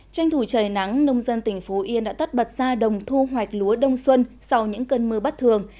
tranh thủ trời nắng nông dân tỉnh phú yên đã tắt bật ra đồng thu hoạch lúa đông xuân sau những cơn mưa bất thường